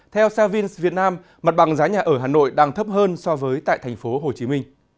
theo savins việt nam mặt bằng giá nhà ở hà nội đang thấp hơn so với tại tp hcm